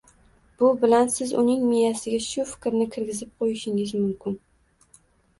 Bu bilan siz uning miyasiga shu fikrni kirgizib qo‘yishingiz mumkin.